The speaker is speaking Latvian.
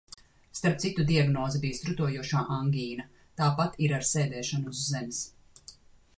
Starp citu, diagnoze bija strutojošā angīna. Tāpat ir ar sēdēšanu uz zemes.